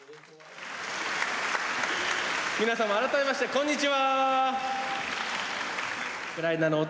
皆様、改めまして、こんにちは。